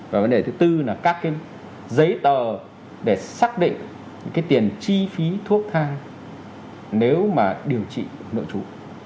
và vấn đề thứ tư là các giấy tờ để xác định tiền chi phí thuốc thang nếu mà điều trị nội trụ